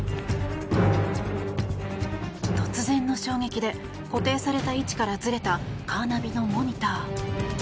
突然の衝撃で固定された位置からずれたカーナビのモニター。